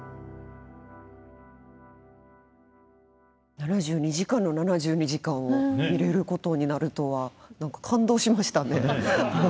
「７２時間」の７２時間を見れることになるとは何か感動しましたね。